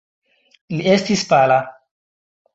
Li estis pala.